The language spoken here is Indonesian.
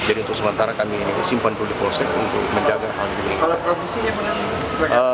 jadi untuk sementara kami simpan dulu di proses untuk menjaga hal yang tidak inginkan